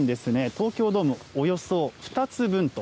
東京ドームおよそ２つ分と。